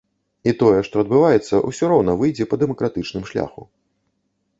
І тое, што адбываецца, усё роўна выйдзе па дэмакратычным шляху.